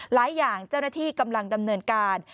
หลายอย่างเจ้าหน้าที่กำลังดำเนินการ